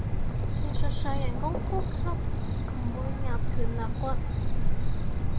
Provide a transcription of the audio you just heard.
技術上人工呼吸唔會壓斷肋骨